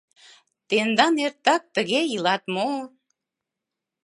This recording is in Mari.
— Тендан эртак тыге илат мо?